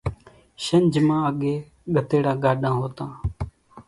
شنجھ مان اڳيَ ڳڌيڙا ڳاڏان هوتان۔